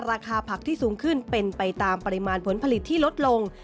ราคาผักที่สูงขึ้นเป็นไปตามปริมาณผลผลิตที่ลดลง